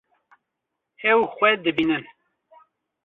Ew xwe dibînin.